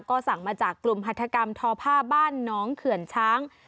ก็สั่งมาจากกลุ่มหัฐกรรมทอผ้าบ้านน้องเขื่อนช้าง